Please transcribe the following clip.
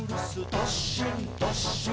どっしんどっしん」